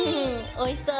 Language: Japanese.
おいしそう！